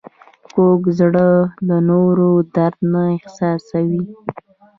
کوږ زړه د نورو درد نه احساسوي